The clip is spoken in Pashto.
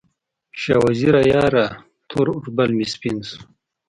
شاه وزیره یاره، تور اوربل مې سپین شو